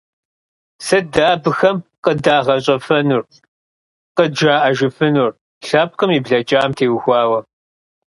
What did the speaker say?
Сыт дэ абыхэм къыдагъэщӀэфэнур, къыджаӀэжыфынур лъэпкъым и блэкӀам теухуауэ?